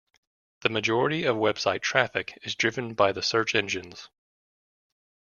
The majority of website traffic is driven by the search engines.